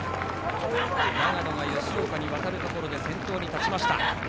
長野が吉岡に渡るところで先頭に立った。